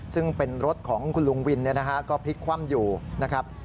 ซึ่งเป็นรถของคุณลุงวินก็พลิกคว่ำอยู่นะครับ